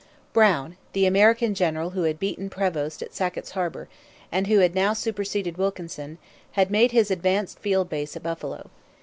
Brown, the American general who had beaten Prevost at Sackett's Harbour and who had now superseded Wilkinson, had made his advanced field base at Buffalo.